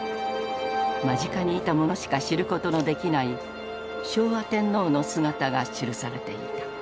間近にいた者しか知ることのできない昭和天皇の姿が記されていた。